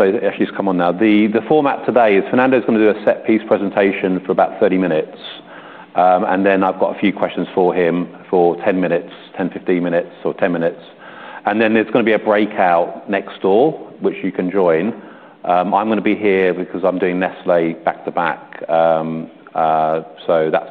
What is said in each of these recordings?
It's actually come on now. The format today is Fernando's going to do a set piece presentation for about 30 minutes, and then I've got a few questions for him for 10-15 minutes, or 10 minutes. Then there's going to be a breakout next door, which you can join. I'm going to be here because I'm doing Nestlé back to back. That's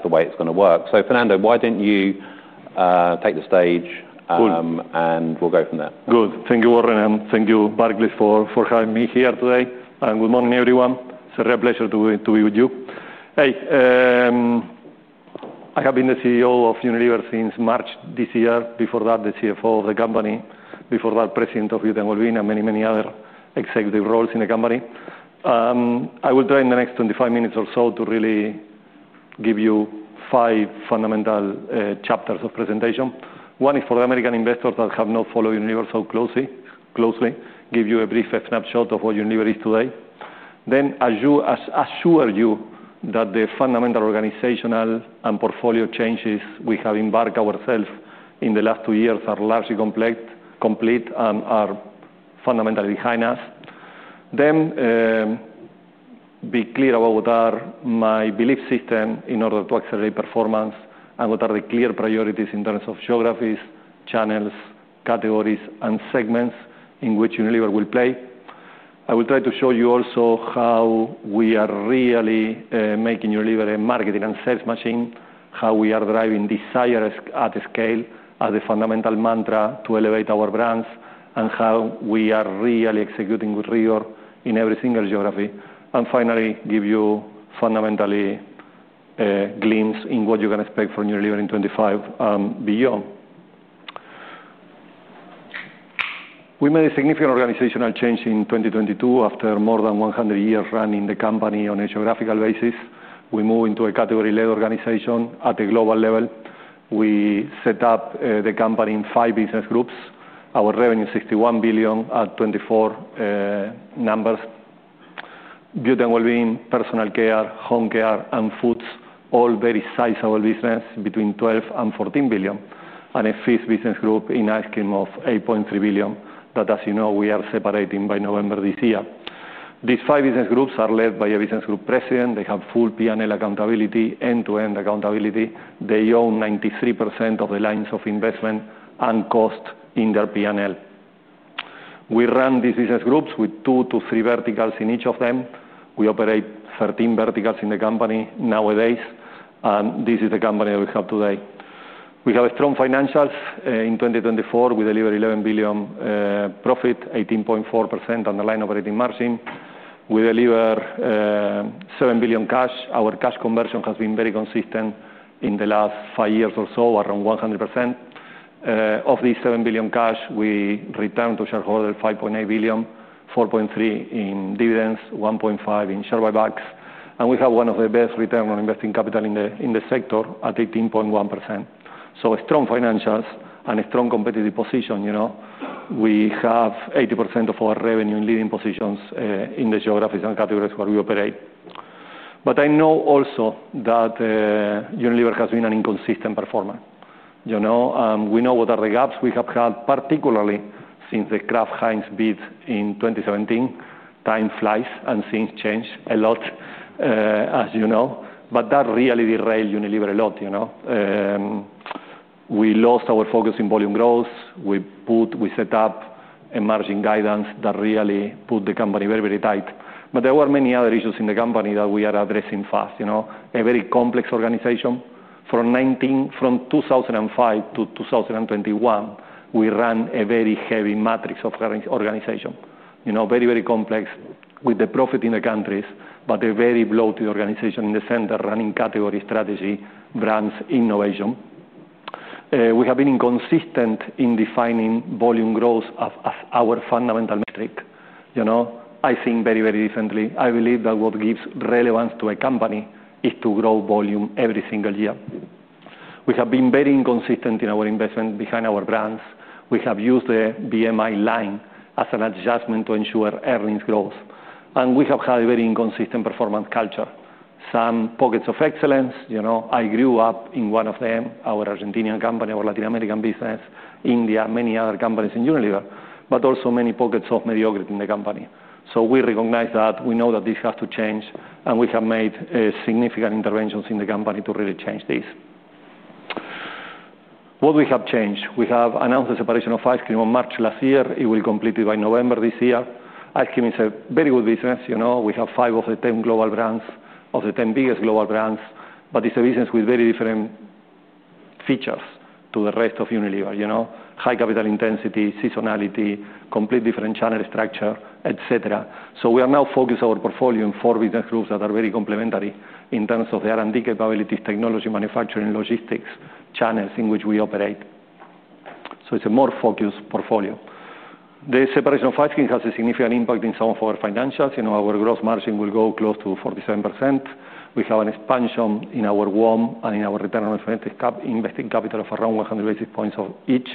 the way it's going to work. Fernando, why don't you take the stage, and we'll go from there. Good. Thank you, Warren, and thank you, Barclays, for having me here today. Good morning, everyone. It's a real pleasure to be with you. I have been the CEO of Unilever since March this year. Before that, the CFO of the company. Before that, President of Beauty and Wellbeing and many, many other executive roles in the company. I will try in the next 25 minutes or so to really give you five fundamental chapters of presentation. One is for the American investors that have not followed Unilever so closely, give you a brief snapshot of what Unilever is today. Then assure you that the fundamental organizational and portfolio changes we have embarked ourselves in the last two years are largely complete and are fundamentally behind us. Be clear about what are my belief systems in order to accelerate performance and what are the clear priorities in terms of geographies, channels, categories, and segments in which Unilever will play. I will try to show you also how we are really making Unilever a marketing and sales machine, how we are driving desire at scale as a fundamental mantra to elevate our brands, and how we are really executing with rigor in every single geography. Finally, give you fundamentally a glimpse in what you can expect from Unilever in 2025 and beyond. We made a significant organizational change in 2022 after more than 100 years running the company on a geographical basis. We moved into a category-led organization at a global level. We set up the company in five business groups. Our revenue is $61 billion at 2024 numbers. Beauty and Wellbeing, Personal Care, Home Care, and Foods, all very sizable businesses between $12 billion-$14 billion. A fifth business group in an outcome of $8.3 billion that, as you know, we are separating by November this year. These five business groups are led by a Business Group President. They have full P&L accountability, end-to-end accountability. They own 93% of the lines of investment and cost in their P&L. We run these business groups with two to three verticals in each of them. We operate 13 verticals in the company nowadays. This is the company that we have today. We have strong financials. In 2024, we delivered $11 billion profit, 18.4% underlying operating margin. We delivered $7 billion cash. Our cash conversion has been very consistent in the last five years or so, around 100%. Of these $7 billion cash, we returned to shareholders $5.8 billion, $4.3 billion in dividends, $1.5 billion in share buybacks. We have one of the best returns on invested capital in the sector at 18.1%. Strong financials and a strong competitive position. We have 80% of our revenue in leading positions in the geographies and categories where we operate. I know also that Unilever has been an inconsistent performer. We know what the gaps have been, particularly since the Kraft Heinz bid in 2017. Time flies and things change a lot, as you know. That really derailed Unilever a lot. We lost our focus in volume growth. We set up a margin guidance that really put the company very, very tight. There were many other issues in the company that we are addressing fast. A very complex organization. From 2005 to 2021, we ran a very heavy matrix of organization. Very, very complex with the profit in the countries, but a very bloated organization in the center running category strategy, brands, innovation. We have been inconsistent in defining volume growth as our fundamental metric. I think very, very differently. I believe that what gives relevance to a company is to grow volume every single year. We have been very inconsistent in our investment behind our brands. We have used the BMI line as an adjustment to ensure earnings growth. We have had a very inconsistent performance culture. Some pockets of excellence. I grew up in one of them, our Argentinian company, our Latin American business, India, many other companies in Unilever, but also many pockets of mediocrity in the company. We recognize that, we know that this has to change, and we have made significant interventions in the company to really change this. What we have changed, we have announced the separation of Ice Cream in March last year. It will complete by November this year. Ice Cream is a very good business. We have five of the 10 global brands, of the 10 biggest global brands, but it's a business with very different features to the rest of Unilever. High capital intensity, seasonality, completely different channel structure, et cetera. We are now focusing our portfolio in four business groups that are very complementary in terms of the R&D capabilities, technology, manufacturing, logistics, channels in which we operate. It's a more focused portfolio. The separation of Ice Cream has a significant impact in some of our financials. You know, our gross margin will go close to 47%. We have an expansion in our WOM and in our return on invested capital of around 100 basis points of each.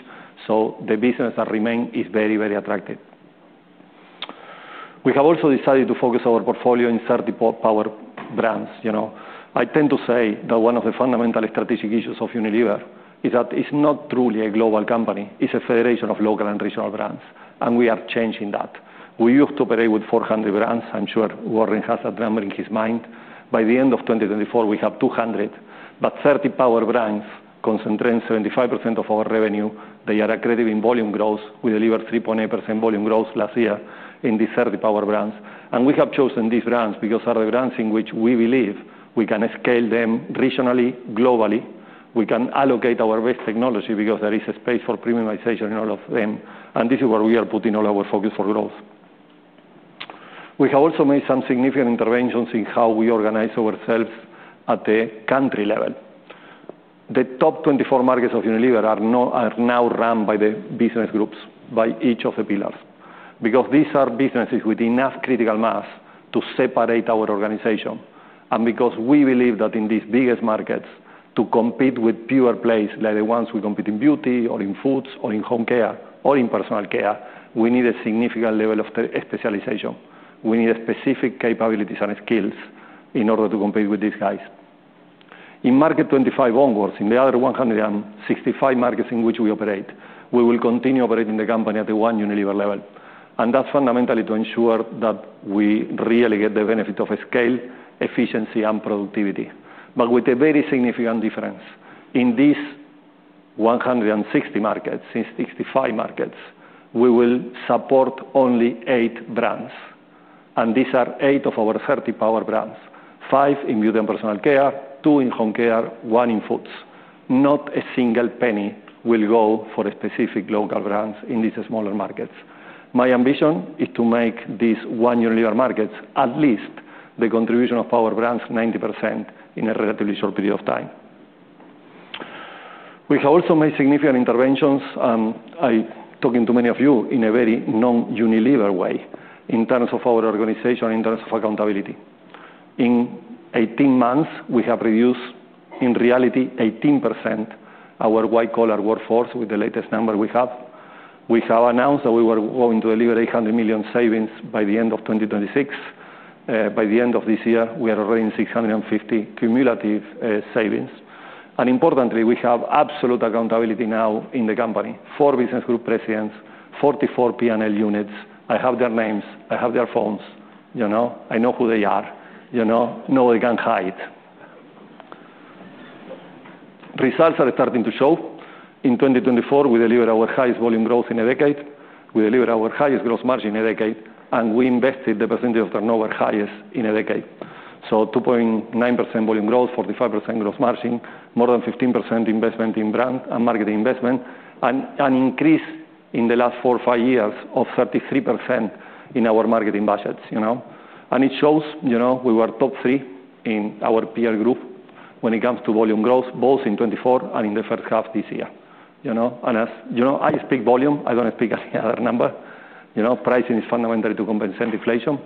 The business that remains is very, very attractive. We have also decided to focus our portfolio in certain power brands. I tend to say that one of the fundamental strategic issues of Unilever is that it's not truly a global company. It's a federation of local and regional brands. We are changing that. We used to operate with 400 brands. I'm sure Warren has that number in his mind. By the end of 2024, we have 200. Thirty power brands concentrate 75% of our revenue. They are accredited in volume growth. We delivered 3.8% volume growth last year in these 30 power brands. We have chosen these brands because they are the brands in which we believe we can scale them regionally, globally. We can allocate our best technology because there is a space for premiumization in all of them. This is where we are putting all our focus for growth. We have also made some significant interventions in how we organize ourselves at the country level. The top 24 markets of Unilever are now run by the business groups, by each of the pillars, because these are businesses with enough critical mass to separate our organization. We believe that in these biggest markets, to compete with pure plays, like the ones we compete in beauty, or in foods, or in home care, or in personal care, we need a significant level of specialization. We need specific capabilities and skills in order to compete with these guys. In market 25 onwards, in the other 165 markets in which we operate, we will continue operating the company at the one Unilever level. That's fundamentally to ensure that we really get the benefit of scale, efficiency, and productivity, with a very significant difference. In these 165 markets, we will support only eight brands. These are eight of our 30 power brands: five in beauty and personal care, two in home care, one in foods. Not a single penny will go for specific local brands in these smaller markets. My ambition is to make these one Unilever markets at least the contribution of power brands 90% in a relatively short period of time. We have also made significant interventions, and I'm talking to many of you in a very non-Unilever way in terms of our organization, in terms of accountability. In 18 months, we have reduced, in reality, 18% our white-collar workforce with the latest number we have. We have announced that we were going to deliver $800 million savings by the end of 2026. By the end of this year, we are already in $650 million cumulative savings. Importantly, we have absolute accountability now in the company. Four Business Group Presidents, 44 P&L units. I have their names. I have their phones. You know, I know who they are. You know, nobody can hide. Results are starting to show. In 2024, we delivered our highest volume growth in a decade. We delivered our highest gross margin in a decade. We invested the percentage of our highest in a decade. 2.9% volume growth, 45% gross margin, more than 15% investment in brand and marketing investment, and an increase in the last four or five years of 33% in our marketing budgets. You know, it shows we were top three in our peer group when it comes to volume growth, both in 2024 and in the first half this year. You know, as you know, I speak volume. I don't speak any other number. You know, pricing is fundamentally to compensate inflation.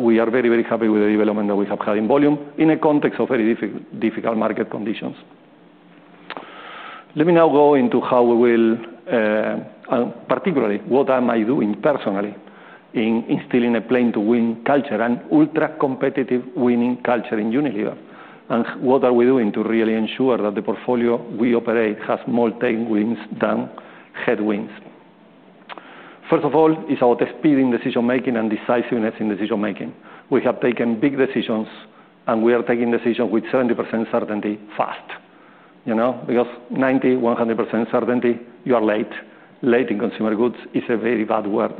We are very, very happy with the development that we have had in volume in a context of very difficult market conditions. Let me now go into how we will, and particularly what am I doing personally in instilling a plane-to-win culture and ultra-competitive winning culture in Unilever. What are we doing to really ensure that the portfolio we operate has more tailwinds than headwinds? First of all, it's about speed in decision-making and decisiveness in decision-making. We have taken big decisions, and we are taking decisions with 70% certainty fast. You know, because 90%-100% certainty, you are late. Late in consumer goods is a very bad word.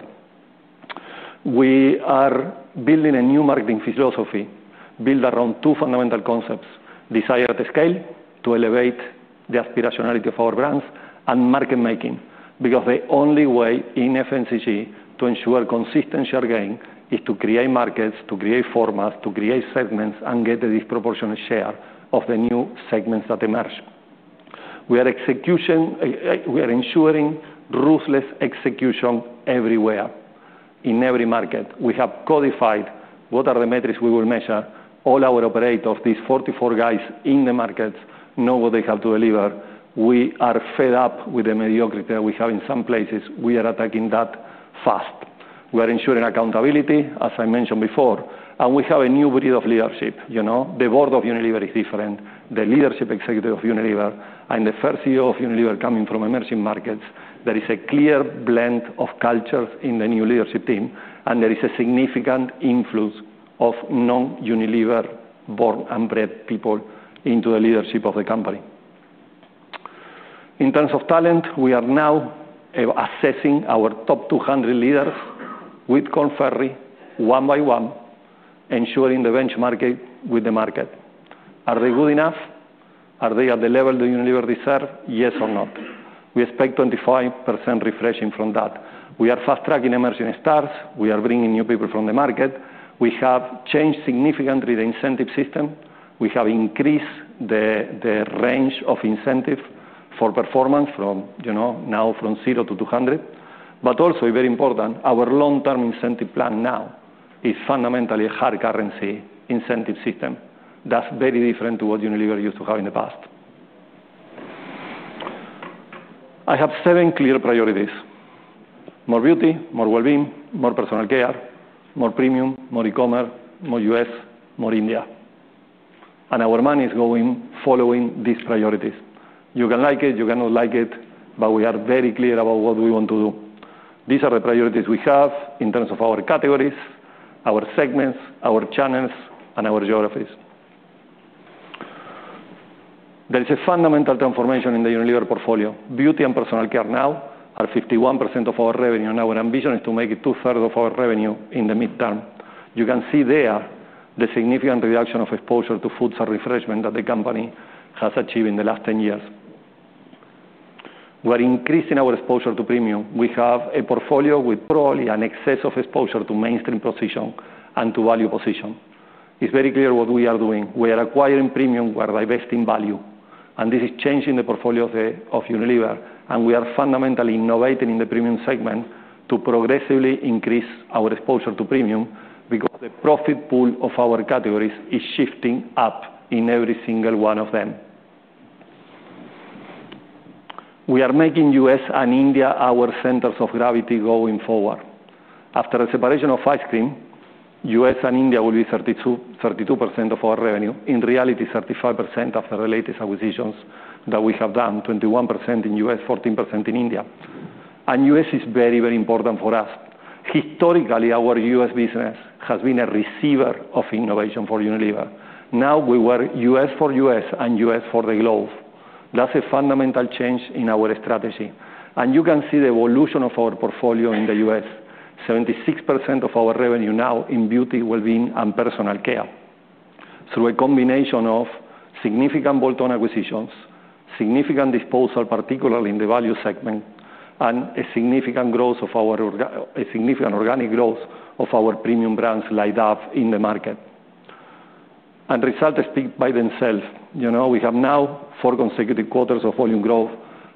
We are building a new marketing philosophy built around two fundamental concepts: desire at scale to elevate the aspirationality of our brands and market making, because the only way in FMCG to ensure consistent share gain is to create markets, to create formats, to create segments, and get a disproportionate share of the new segments that emerge. We are ensuring ruthless execution everywhere, in every market. We have codified what are the metrics we will measure. All our operators, these 44 guys in the markets, know what they have to deliver. We are fed up with the mediocrity that we have in some places. We are attacking that fast. We are ensuring accountability, as I mentioned before. We have a new breed of leadership. The Board of Unilever is different. The Leadership Executive of Unilever and the first CEO of Unilever coming from emerging markets, there is a clear blend of cultures in the new leadership team. There is a significant influx of non-Unilever born and bred people into the leadership of the company. In terms of talent, we are now assessing our top 200 leaders with Korn Ferry, one by one, ensuring the benchmarking with the market. Are they good enough? Are they at the level that Unilever deserves? Yes or not? We expect 25% refreshing from that. We are fast tracking emerging stars. We are bringing new people from the market. We have changed significantly the incentive system. We have increased the range of incentives for performance from, you know, now from 0 to 200. Also, very important, our long-term incentive plan now is fundamentally a hard currency incentive system. That is very different to what Unilever used to have in the past. I have seven clear priorities: more beauty, more well-being, more personal care, more premium, more e-commerce, more U.S., more India. Our money is going following these priorities. You can like it. You cannot like it. We are very clear about what we want to do. These are the priorities we have in terms of our categories, our segments, our channels, and our geographies. There is a fundamental transformation in the Unilever portfolio. Beauty and Personal Care now are 51% of our revenue, and our ambition is to make it two-thirds of our revenue in the midterm. You can see there the significant reduction of exposure to foods and refreshments that the company has achieved in the last 10 years. We are increasing our exposure to premium. We have a portfolio with probably an excess of exposure to mainstream position and to value position. It is very clear what we are doing. We are acquiring premium. We are divesting value. This is changing the portfolio of Unilever. We are fundamentally innovating in the premium segment to progressively increase our exposure to premium because the profit pool of our categories is shifting up in every single one of them. We are making U.S. and India our centers of gravity going forward. After the separation of Ice Cream, U.S. and India will be 32% of our revenue. In reality, 35% after the latest acquisitions that we have done, 21% in U.S., 14% in India. U.S. is very, very important for us. Historically, our U.S. business has been a receiver of innovation for Unilever. Now we are U.S. for U.S. and U.S. for the globe. That's a fundamental change in our strategy. You can see the evolution of our portfolio in the U.S. 76% of our revenue is now in beauty, well-being, and personal care. Through a combination of significant bolt-on acquisitions, significant disposal, particularly in the value segment, and significant organic growth of our premium brands lined up in the market, the results speak for themselves. We have now four consecutive quarters of volume growth,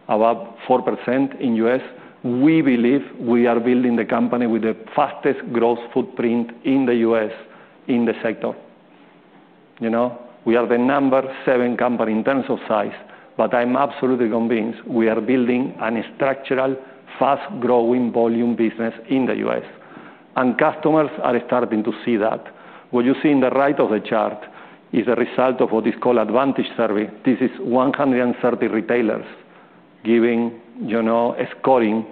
about 4% in the U.S. We believe we are building the company with the fastest growth footprint in the U.S. in the sector. We are the number seven company in terms of size, but I'm absolutely convinced we are building a structural, fast-growing volume business in the U.S., and customers are starting to see that. What you see on the right of the chart is the result of what is called the advantage survey. This is 130 retailers giving a scoring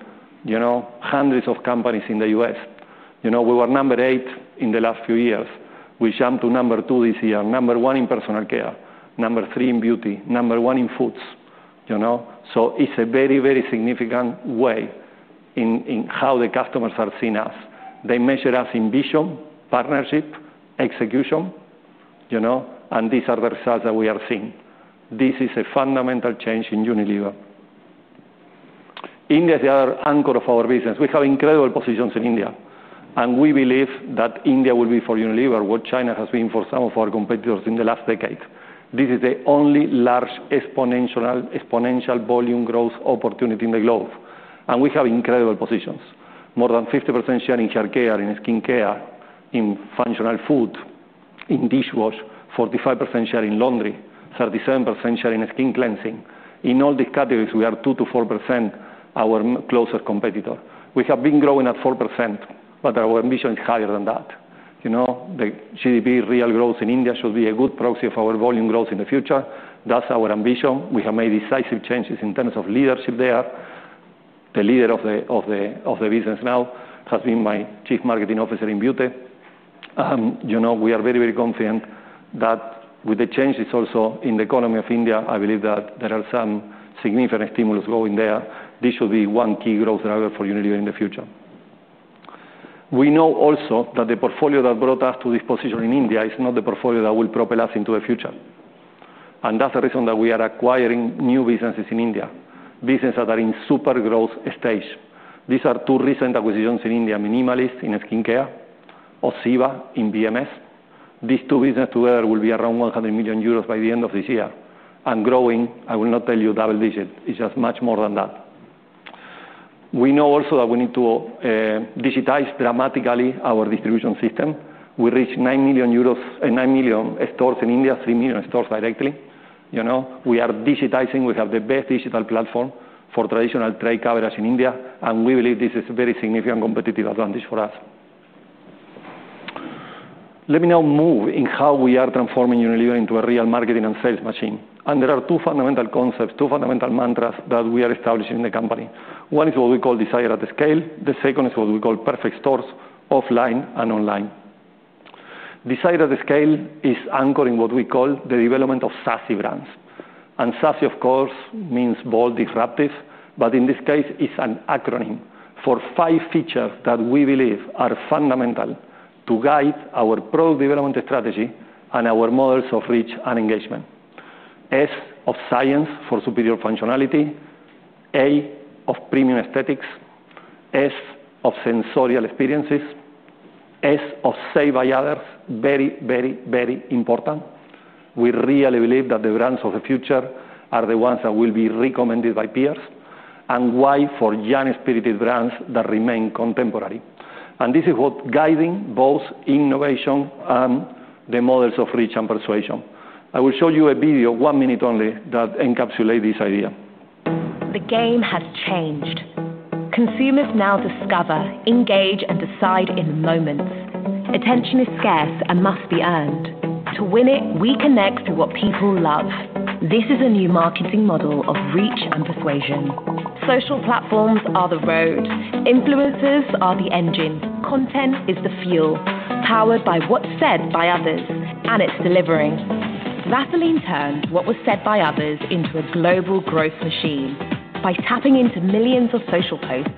to hundreds of companies in the U.S. We were number eight in the last few years. We jumped to number two this year, number one in personal care, number three in beauty, number one in foods. It is a very, very significant way in how the customers are seeing us. They measure us in vision, partnership, execution, and these are the results that we are seeing. This is a fundamental change in Unilever. India is the other anchor of our business. We have incredible positions in India, and we believe that India will be, for Unilever, what China has been for some of our competitors in the last decade. This is the only large exponential volume growth opportunity in the globe, and we have incredible positions. More than 50% share in hair care, in skin care, in functional food, in dishwash, 45% share in laundry, 37% share in skin cleansing. In all these categories, we are 2%-4% ahead of our closest competitor. We have been growing at 4%, but our ambition is higher than that. The GDP real growth in India should be a good proxy of our volume growth in the future. That's our ambition. We have made decisive changes in terms of leadership there. The leader of the business now has been my Chief Marketing Officer in Beauty. We are very, very confident that with the changes also in the economy of India, I believe that there are some significant stimulus going there. This should be one key growth driver for Unilever in the future. We know also that the portfolio that brought us to this position in India is not the portfolio that will propel us into the future. That's the reason that we are acquiring new businesses in India, businesses that are in super growth stage. These are two recent acquisitions in India, Minimalist in Skin Care, OZiva in BMS. These two businesses together will be around 100 million euros by the end of this year and growing. I will not tell you double digits. It's just much more than that. We know also that we need to digitize dramatically our distribution system. We reached 9 million stores in India, 3 million stores directly. You know, we are digitizing. We have the best digital platform for traditional trade coverage in India, and we believe this is a very significant competitive advantage for us. Let me now move in how we are transforming Unilever into a real marketing and sales machine. There are two fundamental concepts, two fundamental mantras that we are establishing in the company. One is what we call desire at scale. The second is what we call perfect stores offline and online. Desire at scale is anchored in what we call the development of SASSY brands. SASSY, of course, means bold, disruptive, but in this case, it's an acronym for five features that we believe are fundamental to guide our product development strategy and our models of reach and engagement. S of science for superior functionality, A of premium aesthetics, S of sensorial experiences, S of saved by others. Very, very, very important. We really believe that the brands of the future are the ones that will be recommended by peers, and Y for young spirited brands that remain contemporary. This is what guides both innovation and the models of reach and persuasion. I will show you a video, one minute only, that encapsulates this idea. The game has changed. Consumers now discover, engage, and decide in the moments. Attention is scarce and must be earned. To win it, we connect through what people love. This is a new marketing model of reach and persuasion. Social platforms are the road. Influencers are the engines. Content is the fuel powered by what's said by others. It's delivering. Vaseline turns what was said by others into a global growth machine. By tapping into millions of social posts,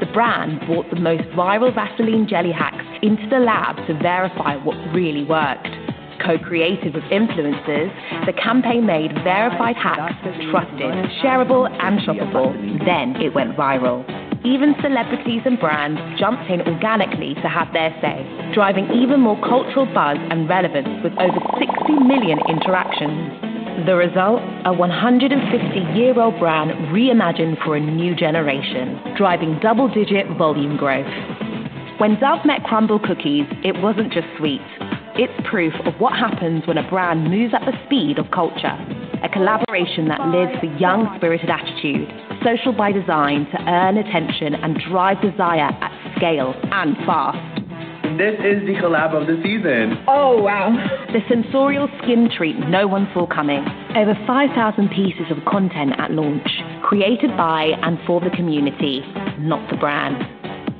the brand brought the most viral Vaseline jelly hacks into the lab to verify what really worked. Co-created with influencers, the campaign made verified hacks. That's disruptive, shareable, and shoppable. It went viral. Even celebrities and brands jumped in organically to have their say, driving even more cultural buzz and relevance with over 60 million interactions. The result. A 150-year-old brand reimagined for a new generation, driving double-digit volume growth. When Dove met Crumbl Cookies, it wasn't just sweet. It's proof of what happens when a brand moves at the speed of culture. A collaboration that lives for young-spirited attitude, social by design, to earn attention and drive desire at scale and fast. This is the collab of the season. Oh, wow. The sensorial skin treat no one saw coming. Over 5,000 pieces of content at launch, created by and for the community, not the brand.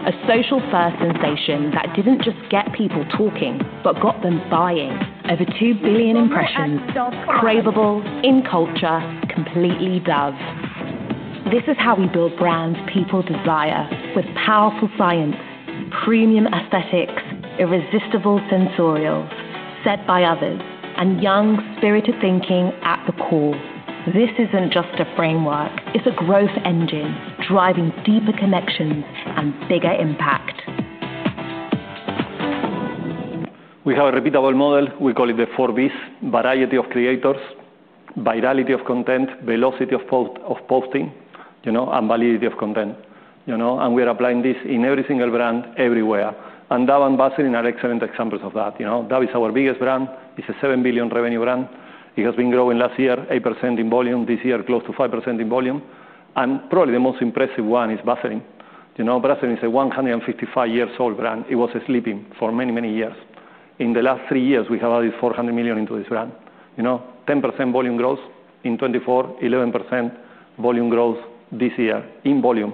A social-first sensation that didn't just get people talking, but got them buying. Over 2 billion impressions. Cravable in culture, completely Dove. This is how we build brands people desire with powerful science, premium aesthetics, irresistible sensorial, said by others, and young spirited thinking at the core. This isn't just a framework. It's a growth engine driving deeper connections and bigger impact. We have a repeatable model. We call it the four Vs: variety of creators, virality of content, velocity of posting, and validity of content. We are applying this in every single brand, everywhere. Dove and Vaseline are excellent examples of that. Dove is our biggest brand. It's a $7 billion revenue brand. It has been growing last year, 8% in volume. This year, close to 5% in volume. Probably the most impressive one is Vaseline. Vaseline is a 155-year-old brand. It was sleeping for many, many years. In the last three years, we have added $400 million into this brand. 10% volume growth in 2024, 11% volume growth this year in volume,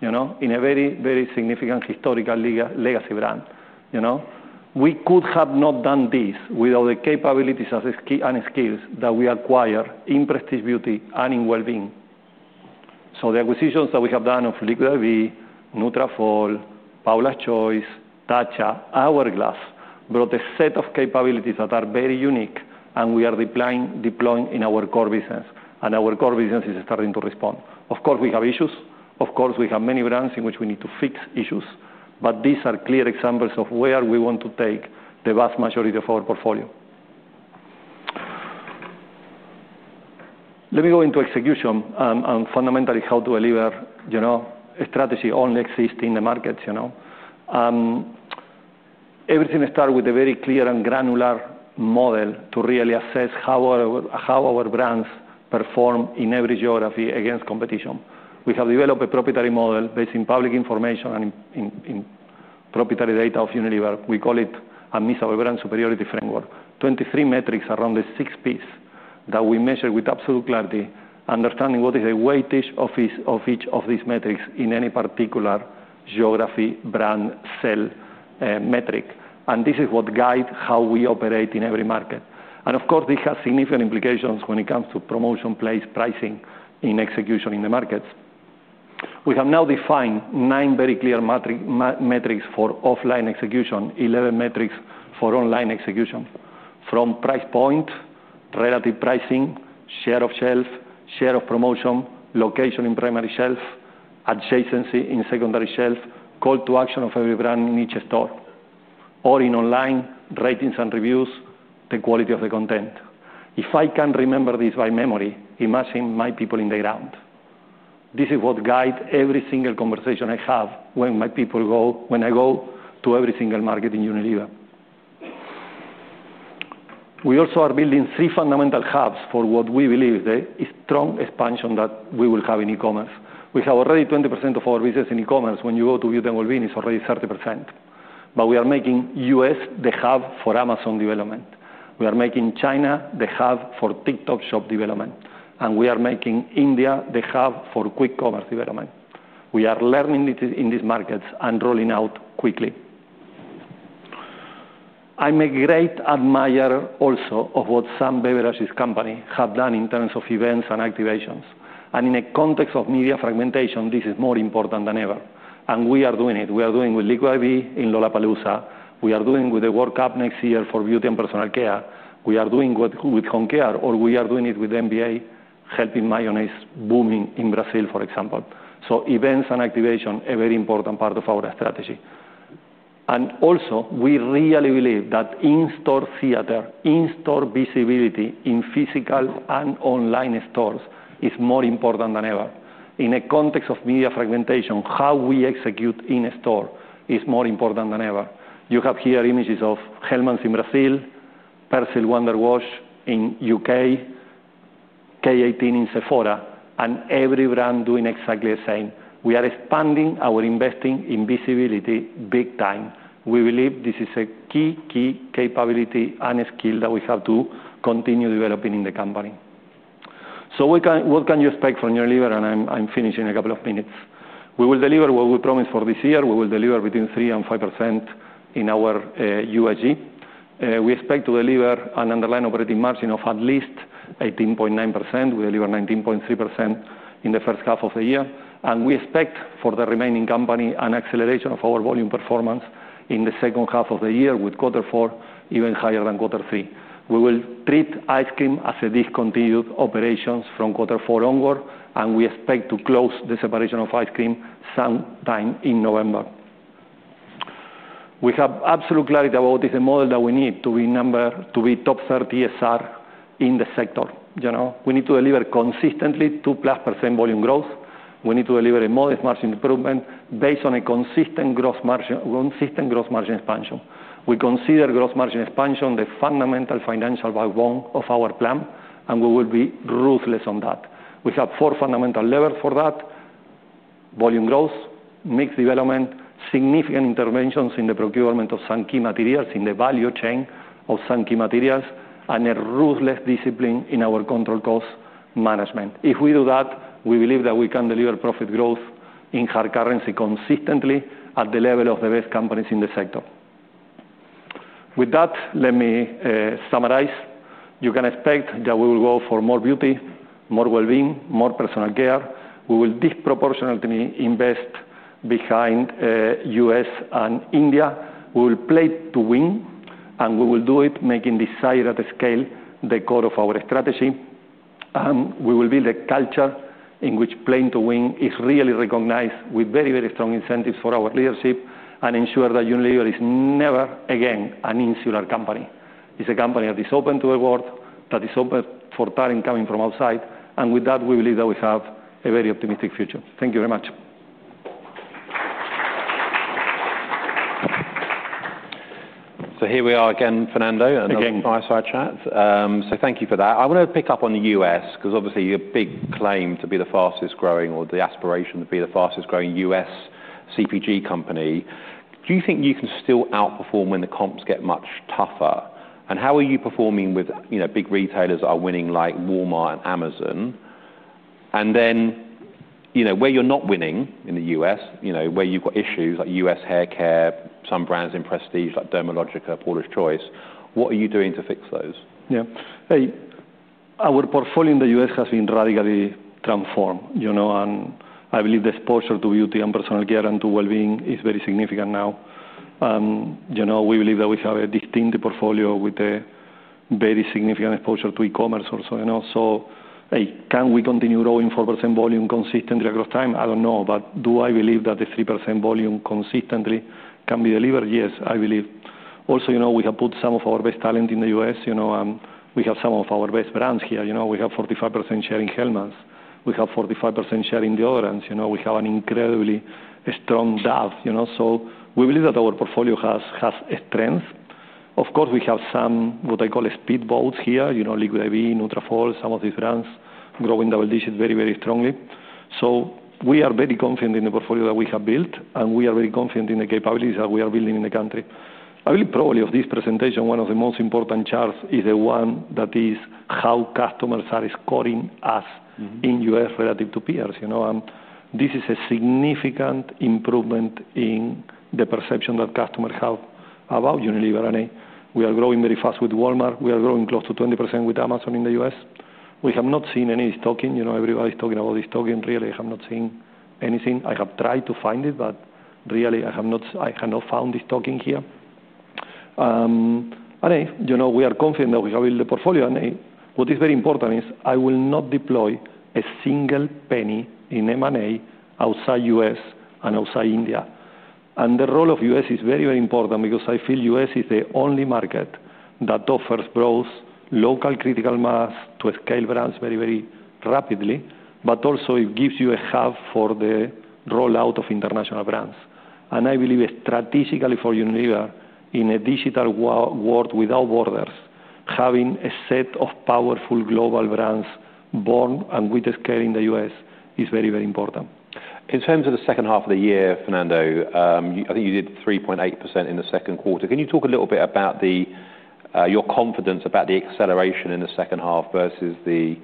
in a very, very significant historical legacy brand. We could have not done this without the capabilities and skills that we acquire in prestige beauty and in well-being. The acquisitions that we have done of Liquid I.V., Nutrafol, Paula's Choice, Tatcha, Hourglass brought a set of capabilities that are very unique, and we are deploying in our core business. Our core business is starting to respond. Of course, we have issues. We have many brands in which we need to fix issues. These are clear examples of where we want to take the vast majority of our portfolio. Let me go into execution and fundamentally how to deliver. Strategy only exists in the markets. Everything starts with a very clear and granular model to really assess how our brands perform in every geography against competition. We have developed a proprietary model based on public information and in proprietary data of Unilever. We call it a missile brand superiority framework. 23 metrics around the six Ps that we measure with absolute clarity, understanding what is the weightage of each of these metrics in any particular geography, brand, cell metric. This is what guides how we operate in every market. This has significant implications when it comes to promotion, place, pricing, and execution in the markets. We have now defined nine very clear metrics for offline execution, 11 metrics for online execution. From price point, relative pricing, share of shelves, share of promotion, location in primary shelves, adjacency in secondary shelves, call to action of every brand in each store, or in online, ratings and reviews, the quality of the content. If I can remember this by memory, imagine my people in the ground. This is what guides every single conversation I have when my people go, when I go to every single market in Unilever. We also are building three fundamental hubs for what we believe is the strong expansion that we will have in e-commerce. We have already 20% of our business in e-commerce. When you go to Beauty and Wellbeing, it's already 30%. We are making the U.S. the hub for Amazon development. We are making China the hub for TikTok Shop development. We are making India the hub for quick commerce development. We are learning in these markets and rolling out quickly. I'm a great admirer also of what Sam Beveridge's company has done in terms of events and activations. In a context of media fragmentation, this is more important than ever. We are doing it. We are doing it with Liquid I.V. in Lollapalooza. We are doing it with the World Cup next year for Beauty and Personal Care. We are doing it with Home Care, or we are doing it with NBA, helping mayonnaise booming in Brazil, for example. Events and activations are a very important part of our strategy. We really believe that in-store theater, in-store visibility in physical and online stores is more important than ever. In a context of media fragmentation, how we execute in-store is more important than ever. You have here images of Hellmann's in Brazil, Persil Wonder Wash in the UK, K18 in Sephora, and every brand doing exactly the same. We are expanding our investing in visibility big time. We believe this is a key, key capability and a skill that we have to continue developing in the company. What can you expect from Unilever? I'm finishing in a couple of minutes. We will deliver what we promised for this year. We will deliver between 3%-5% in our USG. We expect to deliver an underlying operating margin of at least 18.9%. We delivered 19.3% in the first half of the year. We expect for the remaining company an acceleration of our volume performance in the second half of the year with quarter four even higher than quarter three. We will treat Ice Cream as a discontinued operation from quarter four onward. We expect to close the separation of Ice Cream sometime in November. We have absolute clarity about what is the model that we need to be number, to be top 30 SR in the sector. You know, we need to deliver consistently 2%+ volume growth. We need to deliver a modest margin improvement based on a consistent gross margin expansion. We consider gross margin expansion the fundamental financial backbone of our plan, and we will be ruthless on that. We have four fundamental levers for that: volume growth, mix development, significant interventions in the procurement of key materials in the value chain of key materials, and a ruthless discipline in our control cost management. If we do that, we believe that we can deliver profit growth in hard currency consistently at the level of the best companies in the sector. With that, let me summarize. You can expect that we will go for more beauty, more well-being, more personal care. We will disproportionately invest behind the U.S. and India. We will play to win. We will do it making desire at scale the core of our strategy. We will build a culture in which playing to win is really recognized with very, very strong incentives for our leadership and ensure that Unilever is never again an insular company. It is a company that is open to the world, that is open for talent coming from outside. With that, we believe that we have a very optimistic future. Thank you very much. Here we are again, Fernando. Again. Thank you for that. I want to pick up on the US because obviously you're a big claim to be the fastest growing or the aspiration to be the fastest growing U.S. CPG Company. Do you think you can still outperform when the comps get much tougher? How are you performing with big retailers that are winning like Walmart and Amazon? Where you're not winning in the US, where you've got issues like US hair care, some brands in prestige like Dermalogica or Paula's Choice, what are you doing to fix those? Yeah. Our portfolio in the U.S. has been radically transformed. I believe the exposure to Beauty and Personal Care and to Wellbeing is very significant now. We believe that we have a distinct portfolio with a very significant exposure to e-commerce also. Can we continue growing 4% volume consistently across time? I don't know. Do I believe that the 3% volume consistently can be delivered? Yes, I believe. We have put some of our best talent in the U.S., and we have some of our best brands here. We have 45% share in Hellmann's. We have 45% share in Deodorants. We have an incredibly strong Dove. We believe that our portfolio has strength. Of course, we have some what I call speed boats here, Liquid I.V., Nutrafol, some of these brands growing double digits very, very strongly. We are very confident in the portfolio that we have built, and we are very confident in the capabilities that we are building in the country. I believe probably of this presentation, one of the most important charts is the one that is how customers are scoring us in the U.S. relative to peers. This is a significant improvement in the perception that customers have about Unilever. We are growing very fast with Walmart. We are growing close to 20% with Amazon in the U.S. We have not seen any stocking. Everybody's talking about this stocking. Really, I have not seen anything. I have tried to find it, but really, I have not found this stocking here. We are confident that we have built the portfolio. What is very important is I will not deploy a single penny in M&A outside the U.S. and outside India. The role of the U.S. is very, very important because I feel the U.S. is the only market that offers both local critical mass to scale brands very, very rapidly. It gives you a hub for the rollout of international brands. I believe strategically for Unilever, in a digital world without borders, having a set of powerful global brands born and with a scale in the U.S. is very, very important. In terms of the second half of the year, Fernando, I think you did 3.8% in the second quarter. Can you talk a little bit about your confidence about the acceleration in the second half versus the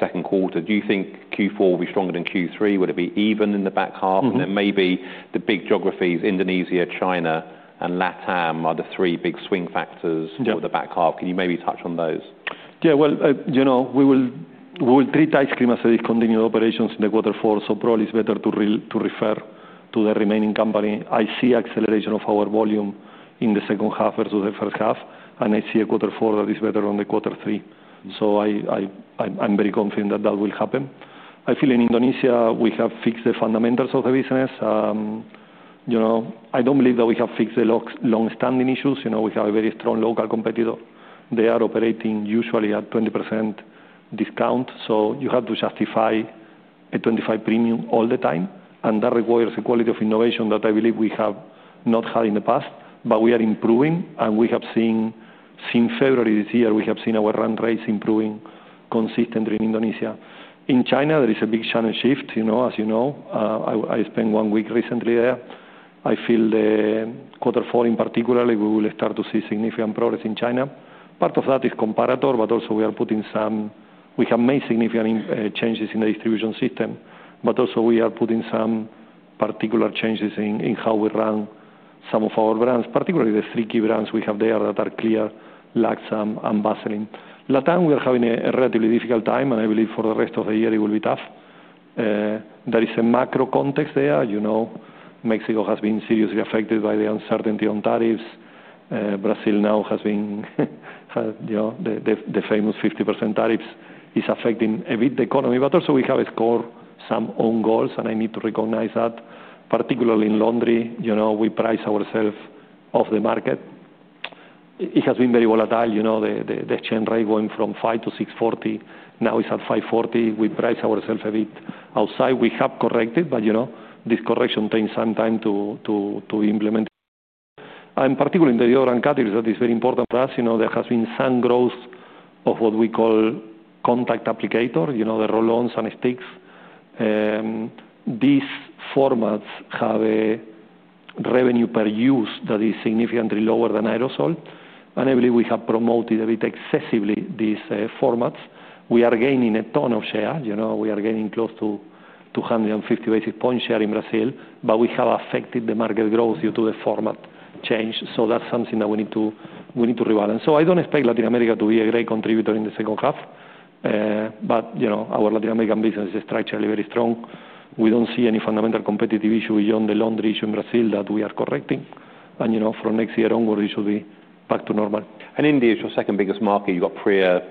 second quarter? Do you think Q4 will be stronger than Q3? Will it be even in the back half? Maybe the big geographies, Indonesia, China, and Latin America are the three big swing factors for the back half. Can you maybe touch on those? Yeah, you know, we will treat Ice Cream as a discontinued operation in quarter four. Probably it's better to refer to the remaining company. I see acceleration of our volume in the second half versus the first half, and I see a quarter four that is better than quarter three. I'm very confident that that will happen. I feel in Indonesia, we have fixed the fundamentals of the business. I don't believe that we have fixed the long-standing issues. We have a very strong local competitor. They are operating usually at 20% discount, so you have to justify a 25% premium all the time. That requires a quality of innovation that I believe we have not had in the past, but we are improving. We have seen, since February this year, our run rates improving consistently in Indonesia. In China, there is a big channel shift. As you know, I spent one week recently there. I feel quarter four in particular, we will start to see significant progress in China. Part of that is comparator, but also we have made significant changes in the distribution system. We are putting some particular changes in how we run some of our brands, particularly the three key brands we have there that are CLEAR, Lansam, and Vaseline. LATAM, we are having a relatively difficult time. I believe for the rest of the year, it will be tough. There is a macro context there. Mexico has been seriously affected by the uncertainty on tariffs. Brazil now has been, you know, the famous 50% tariffs is affecting a bit the economy. We have scored some own goals, and I need to recognize that, particularly in laundry. We price ourselves off the market. It has been very volatile. The exchange rate went from 5%-6.40%. Now it's at 5.40%. We price ourselves a bit outside. We have corrected, but this correction takes some time to implement. Particularly in the deodorant category, that is very important for us, there has been some growth of what we call contact applicator, the roll-ons and sticks. These formats have a revenue per use that is significantly lower than aerosol. I believe we have promoted a bit excessively these formats. We are gaining a ton of share. We are gaining close to 250 basis points share in Brazil, but we have affected the market growth due to the format change. That's something that we need to rebalance. I don't expect Latin America to be a great contributor in the second half, but our Latin American business is structurally very strong. We don't see any fundamental competitive issue beyond the laundry issue in Brazil that we are correcting. From next year onward, it should be back to normal. India, your second biggest market, you've got Priya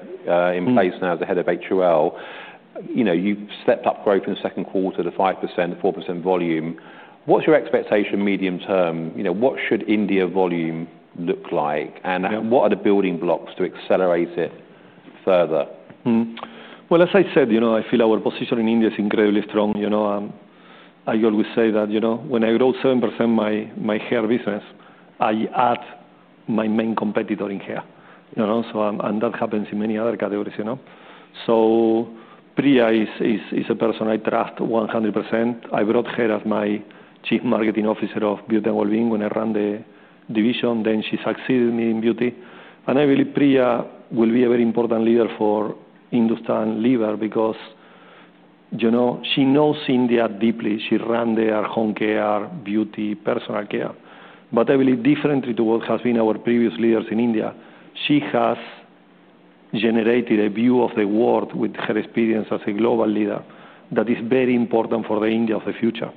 in place now as the Head of HOL. You've stepped up growth in the second quarter to 5%, 4% volume. What's your expectation medium term? What should India volume look like, and what are the building blocks to accelerate it further? As I said, I feel our position in India is incredibly strong. I always say that when I grow 7% my hair business, I add my main competitor in here. That happens in many other categories. Priya is a person I trust 100%. I brought her as my Chief Marketing Officer of Beauty and Wellbeing when I ran the division. Then she succeeded me in Beauty. I believe Priya will be a very important leader for Hindustan Unilever because she knows India deeply. She ran their Home Care, Beauty, Personal Care. I believe differently to what has been our previous leaders in India. She has generated a view of the world with her experience as a global leader that is very important for the India of the future.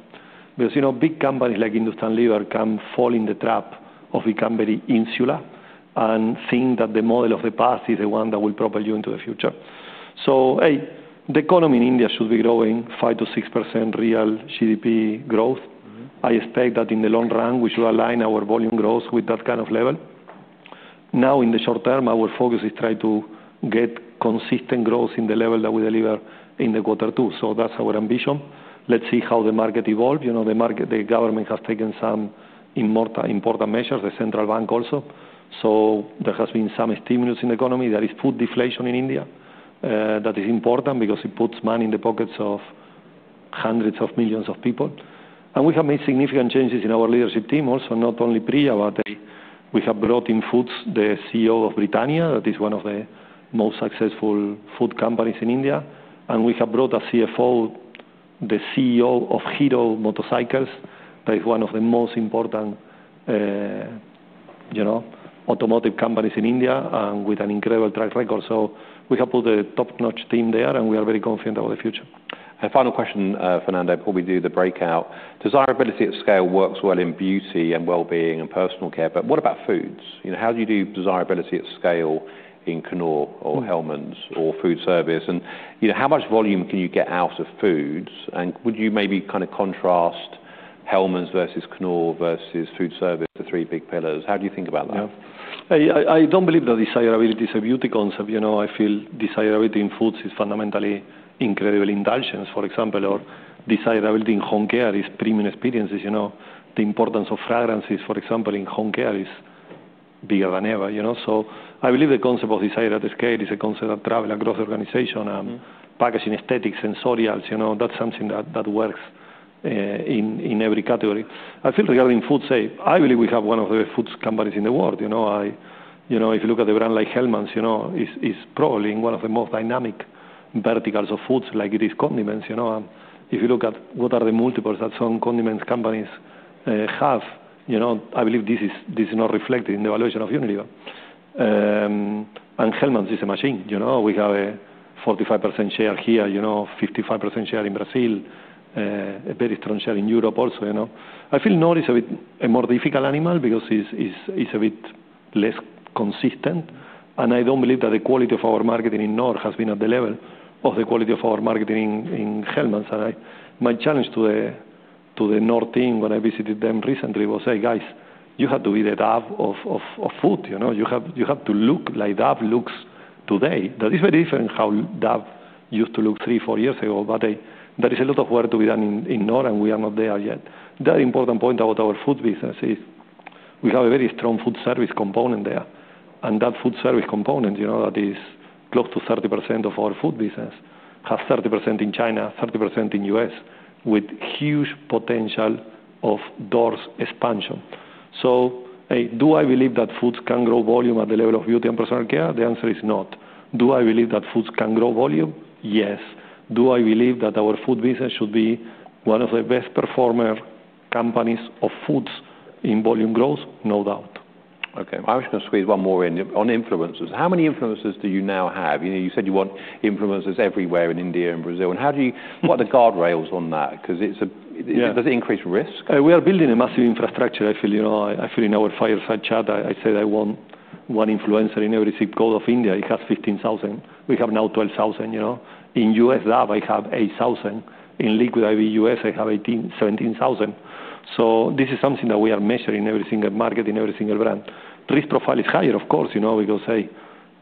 Big companies like Hindustan Unilever can fall in the trap of becoming very insular and think that the model of the past is the one that will propel you into the future. The economy in India should be growing 5%-6% real GDP growth. I expect that in the long run, we should align our volume growth with that kind of level. In the short term, our focus is to try to get consistent growth in the level that we deliver in the quarter two. That's our ambition. Let's see how the market evolves. The government has taken some important measures, the central bank also. There has been some stimulus in the economy. There is food deflation in India. That is important because it puts money in the pockets of hundreds of millions of people. We have made significant changes in our leadership team. Also, not only Priya, but we have brought in Foods, the CEO of Britannia. That is one of the most successful food companies in India. We have brought a CFO, the CEO of Hero Motorcycles. That is one of the most important automotive companies in India and with an incredible track record. We have put a top-notch team there. We are very confident about the future. Final question, Fernando, before we do the breakout. Desirability at scale works well in Beauty and Wellbeing and Personal Care. What about foods? How do you do desirability at scale in Knorr or Hellmann's or Unilever Food Solutions? How much volume can you get out of foods? Would you maybe kind of contrast Hellmann's versus Knorr versus Unilever Food Solutions, the three big pillars? How do you think about that? Yeah, I don't believe that desirability is a beauty concept. I feel desirability in foods is fundamentally incredible indulgence, for example. Desirability in home care is premium experiences. The importance of fragrances, for example, in home care is bigger than ever. I believe the concept of desire at scale is a concept that travels across the organization. Packaging aesthetics, sensorials, that's something that works in every category. Regarding foods, I believe we have one of the best foods companies in the world. If you look at a brand like Hellmann's, it's probably in one of the most dynamic verticals of foods, like it is condiments. If you look at what are the multiples that some condiments companies have, I believe this is not reflected in the valuation of Unilever. Hellmann's is a machine. We have a 45% share here, 55% share in Brazil, a very strong share in Europe also. I feel Knorr is a bit a more difficult animal because it's a bit less consistent. I don't believe that the quality of our marketing in Knorr has been at the level of the quality of our marketing in Hellmann's. My challenge to the Knorr team when I visited them recently was, hey, guys, you have to be the Dove of food. You have to look like Dove looks today. That is very different from how Dove used to look three, four years ago. There is a lot of work to be done in Knorr, and we are not there yet. The other important point about our food business is we have a very strong food service component there. That food service component, that is close to 30% of our food business, has 30% in China, 30% in the U.S., with huge potential of doors expansion. Do I believe that foods can grow volume at the level of beauty and personal care? The answer is not. Do I believe that foods can grow volume? Yes. Do I believe that our food business should be one of the best performing companies of foods in volume growth? No doubt. Okay, I was going to squeeze one more in on influencers. How many influencers do you now have? You know, you said you want influencers everywhere in India and Brazil. How do you, what are the guardrails on that? Does it increase risk? We are building a massive infrastructure, I feel. In our fireside chat, I said I want one influencer in every ZIP Code of India. It has 15,000. We have now 12,000. In the U.S., Dove, I have 8,000. In Liquid I.V., U.S., I have 17,000. This is something that we are measuring in every single market, in every single brand. Risk profile is higher, of course, because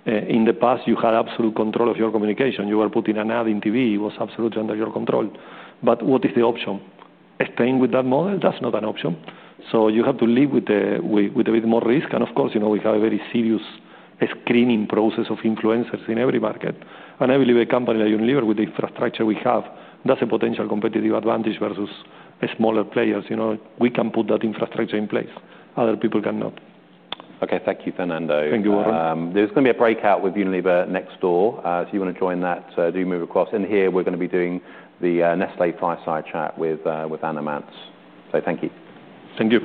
in the past, you had absolute control of your communication. You were putting an ad on TV. It was absolutely under your control. What is the option? Staying with that model is not an option. You have to live with a bit more risk. Of course, we have a very serious screening process of influencers in every market. I believe a company like Unilever, with the infrastructure we have, that's a potential competitive advantage versus smaller players. We can put that infrastructure in place. Other people cannot. OKAY, thank you, Fernando. Thank you, Warren. There's going to be a breakout with Unilever next door. If you want to join that, do move across. Here, we're going to be doing the Nestlé fireside chat with Anna Manz. Thank you. Thank you.